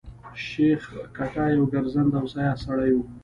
شېخ کټه يو ګرځنده او سیاح سړی وو.